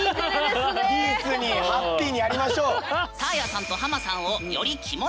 ピースにハッピーにやりましょう！